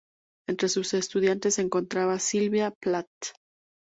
Entre sus estudiantes se encontraba Sylvia Plath.